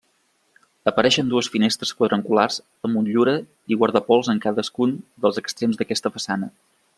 Apareixen dues finestres quadrangulars amb motllura i guardapols en cadascun dels extrems d'aquesta façana.